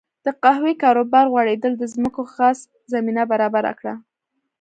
د قهوې کاروبار غوړېدل د ځمکو غصب زمینه برابره کړه.